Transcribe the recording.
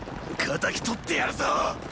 仇取ってやるぞ！